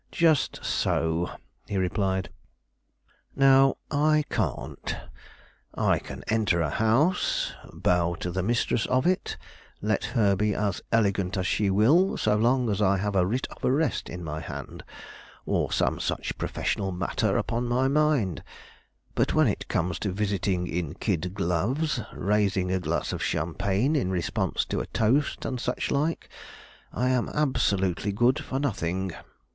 "Just so," he replied; "now, I can't. I can enter a house, bow to the mistress of it, let her be as elegant as she will, so long as I have a writ of arrest in my hand, or some such professional matter upon my mind; but when it comes to visiting in kid gloves, raising a glass of champagne in response to a toast and such like, I am absolutely good for nothing."